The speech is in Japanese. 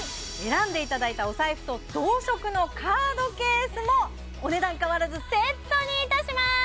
選んでいただいたお財布と同色のカードケースもお値段変わらずセットにいたします